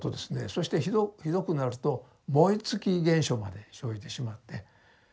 そしてひどくなると燃え尽き現象まで生じてしまって。